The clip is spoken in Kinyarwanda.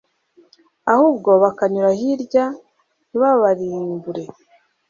ahubwo bakanyura hirya ntibabarimbure